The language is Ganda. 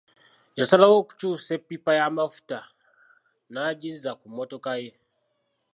Yasalawo okukyusa eppipa y'amafuta n'agizza ku mmotoka ye.